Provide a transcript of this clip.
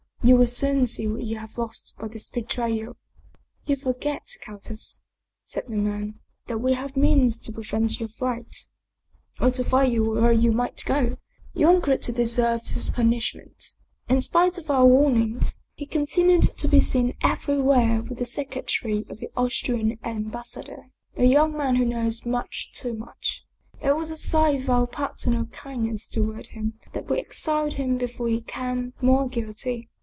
You will soon see what you have lost by this betrayal" " You forget, countess," said the man, " that we have means to prevent your flight, or to find you wherever you might go. Young Gritti deserved his punishment. In spite 52 Paul Heyse of our warnings, he continued to be seen everywhere with the secretary of the Austrian Ambassador, a young man who knows much too much. It was a sign of our paternal kindness toward him that we exiled him before he became more guilty.